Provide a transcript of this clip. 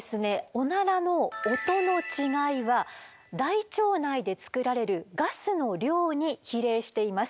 オナラの音の違いは大腸内で作られるガスの量に比例しています。